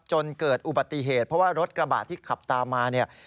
จนเกิดอุบัติเหตุเพราะว่ารถกระบะที่ขับตามมาเนี่ย